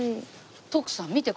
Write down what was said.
徳さん見てこれ。